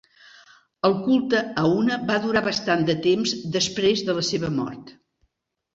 El culte a Una va durar bastant de temps després de la seva mort.